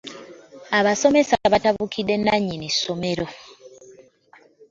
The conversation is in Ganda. Abasomesa batabukidde nnannyini ssomero.